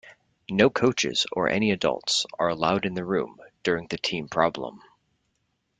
No coaches or any adults are allowed in the room during the team problem.